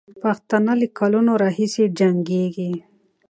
پښتانه له کلونو راهیسې جنګېږي.